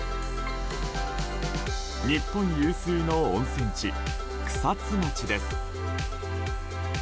日本有数の温泉地・草津町です。